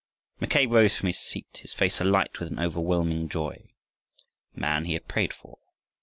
Mackay rose from his seat, his face alight with an overwhelming joy. The man he had prayed for!